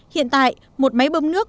hiện tại một máy bơm nước